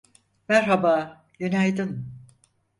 Merhaba, günaydın.